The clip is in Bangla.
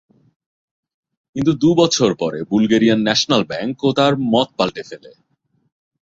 কিন্তু দু-বছর পরে বুলগেরিয়ান ন্যাশনাল ব্যাঙ্ক ও তার মত পাল্টে ফেলে।